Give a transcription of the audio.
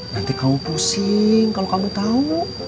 nanti kamu pusing kalau kamu tahu